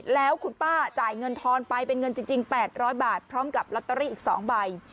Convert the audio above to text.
แล้วคุณป้าจ่ายเงินทอนไปเป็นเงินจริง๘๐๐บาทพร้อมกับลอตเตอรี่อีก๒ใบ